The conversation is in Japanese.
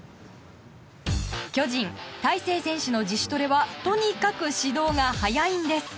巨人、大勢選手の自主トレはとにかく始動が早いんです。